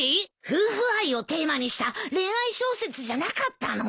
夫婦愛をテーマにした恋愛小説じゃなかったの？